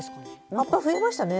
葉っぱ増えましたね！